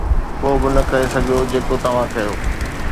ڪو به نه ڪري سگهيو جيڪو توهان ڪيو